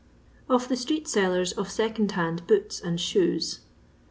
Of tub Street Sellers of Secokd hakd > Boots akd Shoes.